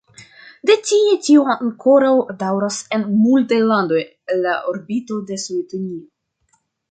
De tie tio ankoraŭ daŭras en multaj landoj el la orbito de Sovetunio.